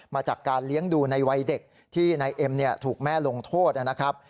มาจากการเลี้ยงดูในวัยเด็กที่นายเอ็มถูกแม่ลงโทษนะครับ